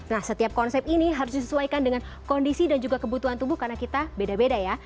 nah setiap konsep ini harus disesuaikan dengan kondisi dan juga kebutuhan tubuh karena kita beda beda ya